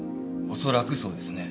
恐らくそうですね。